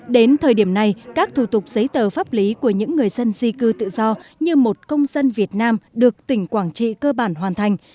đến thời điểm này các thủ tục giấy tờ pháp lý của những người dân di cư tự do như một công dân việt nam được tỉnh quảng trị cơ bản hoàn thành